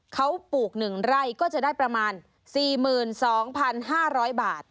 เขาปลูก๑ไร่ก็จะได้ประมาณ๔๒๕๐๐บาท